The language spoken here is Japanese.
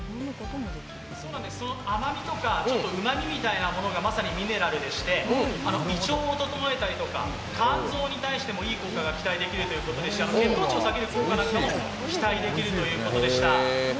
甘みとかうまみみたいなものがまさにミネラルでして胃腸を整えたり、肝臓に対してもいい効果が期待できるということで血糖値を下げる効果なんかも期待できるということでした。